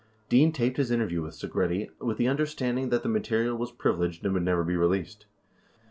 71 Dean taped his interview with Segretti, with the understanding that the material was privileged and would never be released.